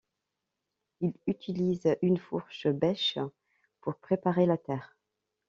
il utilise une fourche bêche pour préparer la terre